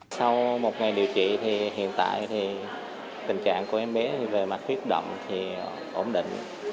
sau một ngày điều trị thì hiện tại tình trạng của em bé về mặt khuyết động thì ổn định